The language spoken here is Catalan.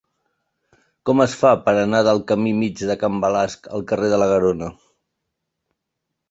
Com es fa per anar del camí Mig de Can Balasc al carrer de la Garona?